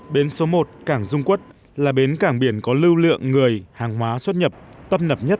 bến số một cảng dung quốc là bến cảng biển có lưu lượng người hàng hóa xuất nhập tâm nập nhất